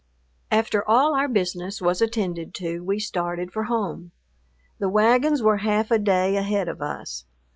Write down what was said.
After all our business was attended to, we started for home. The wagons were half a day ahead of us.